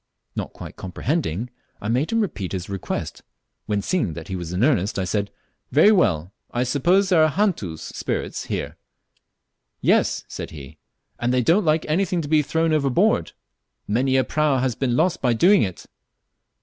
Not quite comprehending, I made him repeat his request, when, seeing he was in earnest, I said, "Very well, I suppose there are 'hantus' (spirits) here." "Yes," said he, "and they don't like anything to be thrown overboard; many a prau has been lost by doing it."